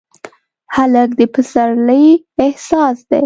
هلک د پسرلي احساس دی.